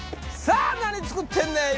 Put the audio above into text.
さぁ何作ってんねん？